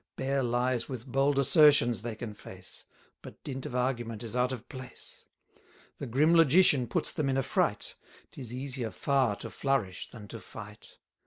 Bare lies with bold assertions they can face; But dint of argument is out of place. 200 The grim logician puts them in a fright; 'Tis easier far to flourish than to fight.